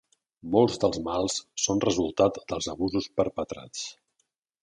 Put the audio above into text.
Molts dels mals són resultat dels abusos perpetrats.